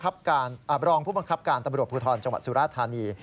รองผู้บังคับการตำรวจภูทรจังหวัดสุราธานี